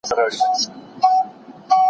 که انلاین زده کړه دوام ولري، تعلیمي ځنډ کمېږي.